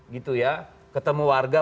gitu ya ketemu warga